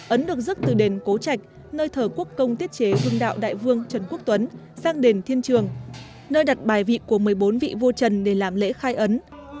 ấn được rước từ đền cố trạch nơi thờ quốc công tiết chế hương đạo đại vương trần quốc tuấn sang đền thiên trường nơi đặt bài vị của một mươi bốn vị vua trần để làm lễ khai ấn